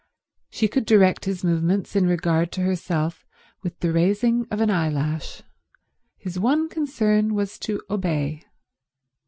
She could direct his movements in regard to herself with the raising of an eyelash. His one concern was to obey.